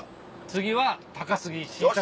次は高杉晋作。